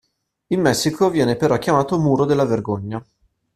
In Messico viene però chiamato Muro della vergogna.